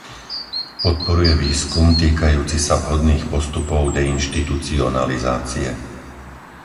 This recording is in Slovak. Podporuje výskum týkajúci sa vhodných postupov deinštitucionalizácie.